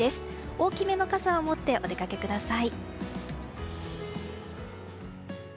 大きめの傘を持ってお出かけください。